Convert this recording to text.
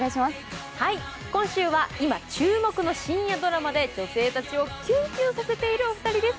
今週は今、注目の深夜ドラマで女性たちをキュンキュンさせているお二人です。